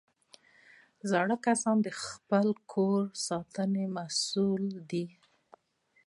زاړه کسان د خپلو کورو د ساتنې مسؤل دي